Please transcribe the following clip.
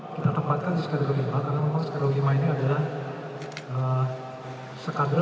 kita tempatkan di skuadron lima karena memang skuadron lima ini adalah skuadron pengintai strategis atau budaya